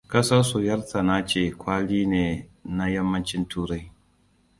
Kasarsu yar tsana ce kwali ne na Yammacin Turai.